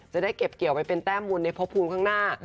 จะได้เก็บเป็นแต้มวลในพบภูมิข้างหน้า